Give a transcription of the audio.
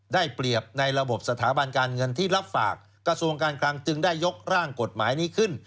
ได้เปรียบในระบบสถาบันการเงินที่รับฝากกระทรวงการคลังจึงได้ยกร่างกฎหมายนี้ขึ้น